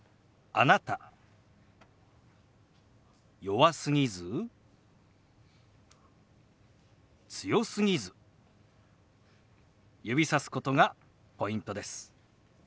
弱すぎず強すぎず指さすことがポイントです。